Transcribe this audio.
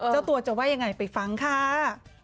เจ้าตัวจะว่ายังไงไปฟังค่ะ